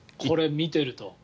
これ見てると。